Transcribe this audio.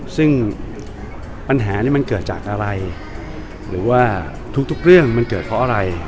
ซึ่งปัญหานี้มันเกิดจากอะไรหรือว่าทุกเรื่องมันเกิดเพราะอะไร